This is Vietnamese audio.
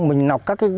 mình nọc các cái đất